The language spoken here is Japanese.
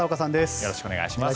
よろしくお願いします。